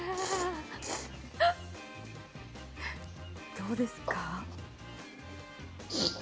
どうですか？